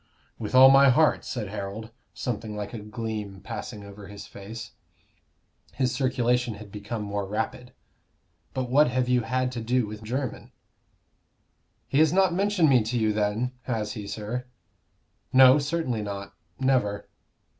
"With all my heart," said Harold, something like a gleam passing over his face. His circulation had become more rapid. "But what have you had to do with Jermyn?" "He has not mentioned me to you then has he, sir?" "No; certainly not never."